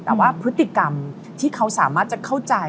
แต่ว่าพฤติกรรมที่เขาสามารถจะเข้าใจ